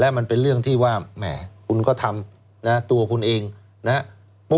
มันเป็นเรื่องที่ว่าแหมคุณก็ทำนะตัวคุณเองนะครับ